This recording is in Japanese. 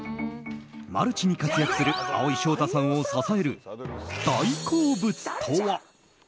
マルチに活躍する蒼井翔太さんを支える大好物とは？